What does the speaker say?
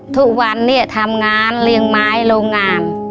ทุกวันเนี่ยทำงานเลี้ยงไม้โรงงาน